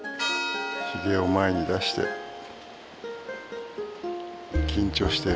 ひげを前に出して緊張してる。